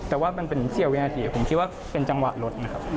แต่ว่ามันเป็นเสี่ยววินาทีผมคิดว่าเป็นจังหวะรถนะครับ